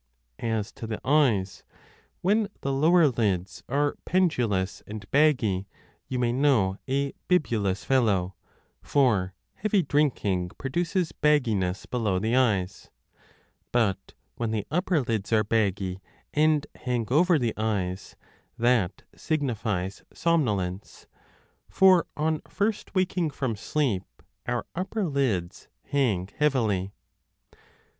As to the eyes, when the lower lids are pendulous and 15 baggy, you may know a bibulous fellow, for heavy drink ing 2 produces bagginess below the eyes : but when the upper lids arc baggy and hang over the eyes, 3 that signifies somnolence, for on first waking from sleep our upper lids hang heavily.